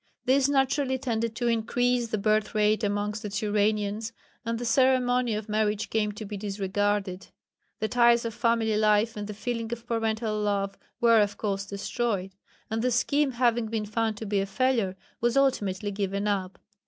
This naturally tended to increase the birth rate amongst the Turanians, and the ceremony of marriage came to be disregarded. The ties of family life, and the feeling of parental love were of course destroyed, and the scheme having been found to be a failure, was ultimately given up.